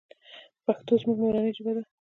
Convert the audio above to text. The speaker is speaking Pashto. پښتو زموږ مورنۍ ژبه ده.